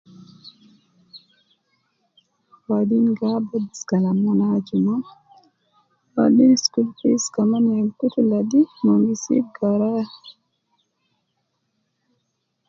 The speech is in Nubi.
Taalim gi abus Kalam mon aju maa waadin school fees kaman kutu ladi mon gi sib garaya